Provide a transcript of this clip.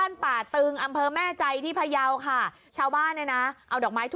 เอาอันนี้เขียนให้หมด